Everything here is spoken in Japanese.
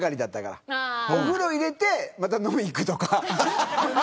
お風呂に入れてまた飲みに行くとか。